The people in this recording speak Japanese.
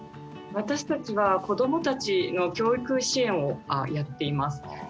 私たちは子どもたちの教育支援をやっています。